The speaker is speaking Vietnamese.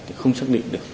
thì không xác định được